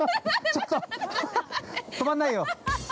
◆ちょっと止まんないよ。